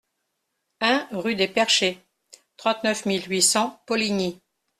un rue des Perchées, trente-neuf mille huit cents Poligny